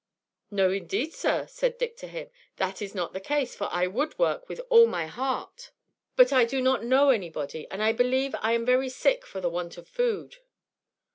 "No, indeed, sir," said Dick to him, "that is not the case, for I would work with all my heart, but I do not know anybody, and I believe I am very sick for the want of food."